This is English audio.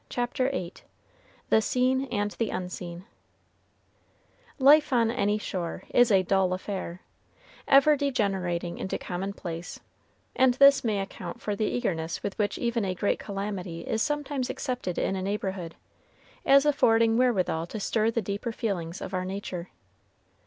CHAPTER VIII THE SEEN AND THE UNSEEN Life on any shore is a dull affair, ever degenerating into commonplace; and this may account for the eagerness with which even a great calamity is sometimes accepted in a neighborhood, as affording wherewithal to stir the deeper feelings of our nature.